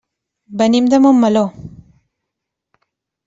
Venim de Montmeló.